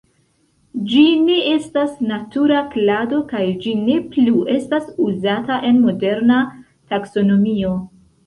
Ĝi ne estas natura klado kaj ĝi ne plu estas uzata en moderna taksonomio.